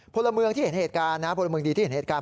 พลเมืองที่เห็นเหตุการณ์นะพลเมืองดีที่เห็นเหตุการณ์